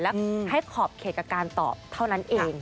และให้ขอบเขตกับการตอบเท่านั้นเอง